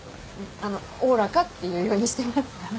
おおらかって言うようにしてます。